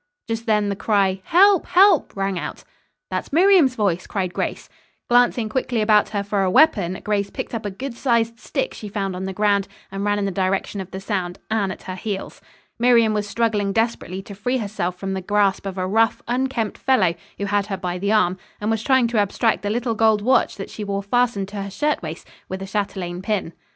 Just then the cry Help! Help! rang out. "That's Miriam's voice," cried Grace. Glancing quickly about for a weapon, Grace picked up a good sized stick she found on the ground, and ran in the direction of the sound, Anne at her heels. Miriam was struggling desperately to free herself from the grasp of a rough, unkempt fellow who had her by the arm and was trying to abstract the little gold watch that she wore fastened to her shirtwaist with a châtelaine pin.